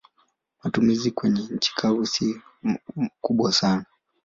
Matumizi kwenye nchi kavu si kubwa sana.